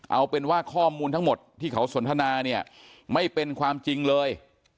เอาเป็นว่าข้อมูลทั้งหมดที่เขาสนทนาเนี่ยไม่เป็นความจริงเลย